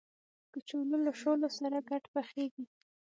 کچالو له شولو سره ګډ پخېږي